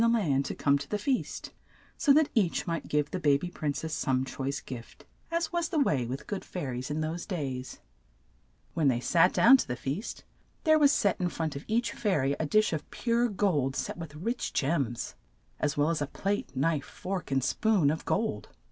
the land to come to the feast, so that each might give the ba by prin cess some choice gift, as was the way with good THE SLEEPING BEAUTY 81 4 THE OLD FAIRY ARRIVES. fai ries in those days. When they sat down to the feast there was set in front of each fai ry a dish of pure gold, set with rich gems, as well as a plate, knife, fork, and spoon of gold.